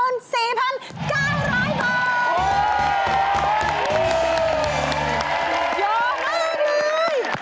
เยอะหมดเลย